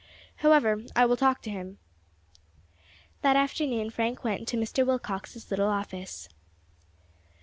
However, I will talk to him." That afternoon Frank went into Mr. Willcox's little office.